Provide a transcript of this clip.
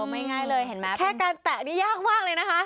ไม่ง่ายเลยเห็นไหมแค่การแตะนี่ยากมากเลยนะคะ